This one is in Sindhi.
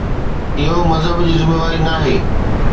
اهو مذهب جي ذميواري ناهي.